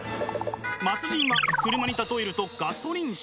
末人は車に例えるとガソリン車。